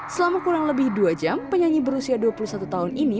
selama kurang lebih dua jam penyanyi berusia dua puluh satu tahun ini